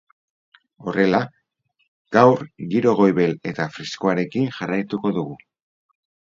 Horrela, gaur giro goibel eta freskoarekin jarraituko dugu.